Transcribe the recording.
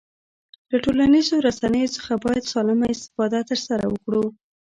له ټولنیزو رسنیو څخه باید سالمه استفاده ترسره وکړو